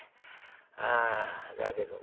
ああだけどね